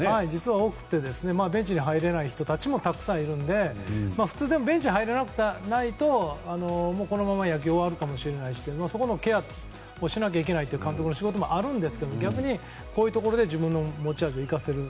ベンチに入れない人たちもたくさんいるので普通、ベンチに入れないとこのまま野球が終わるかもしれないしというケアもしなきゃいけないという監督の仕事もありますが逆に、こういうところで持ち味を生かせると。